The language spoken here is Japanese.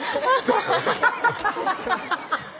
アハハハ